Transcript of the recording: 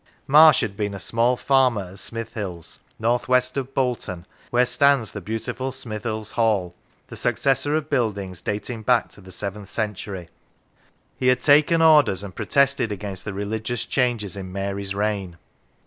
Marsh had been a small 80 In the Time of Leland farmer at Smithills, north west of Bolton, where stands the beautiful Smithills Hall, the successor of buildings dating back to the seventh century. He had taken Orders, and protested against the religious changes in Mary's reign.